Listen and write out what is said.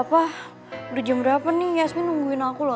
pa udah jam berapa nih yasmin nungguin aku lho